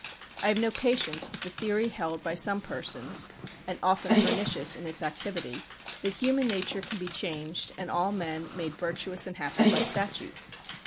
I have no patience with the theory held by some persons, and often pernicious in its activity, that human nature can be changed and all men made vir tuous and happy by statute.